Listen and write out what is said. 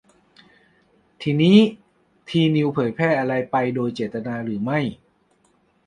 ทีนี้ ทีนิวส์เผยแพร่อะไรไปโดยเจตนาหรือไม่